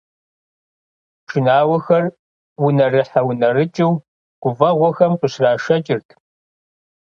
Пшынауэхэр унэрыхьэ-унэрыкӀыу гуфӀэгъуэхэм къыщрашэкӀырт.